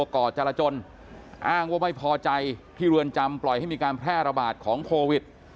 ก่อจรจนอ้างว่าไม่พอใจที่เรือนจำปล่อยให้มีการแพร่ระบาดของโควิด